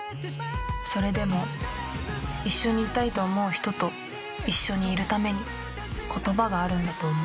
「それでも一緒にいたいと思う人と一緒にいるために言葉があるんだと思う」